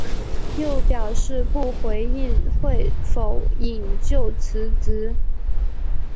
又表示不回应会否引咎辞职。